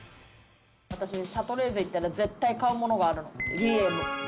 私シャトレーゼ行ったら絶対買うものがあるの、梨恵夢。